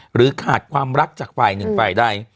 หรือขาดความรักจากฝ่ายหนึ่งฝ่ายใด